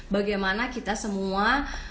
bagaimana kita semua